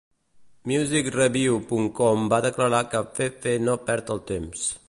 Music-Review punt com va declarar que Fefe no perd el temps.